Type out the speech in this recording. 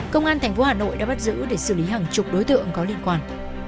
công an thành phố hà nội đã bắt giữ để xử lý hàng chục đối tượng có liên quan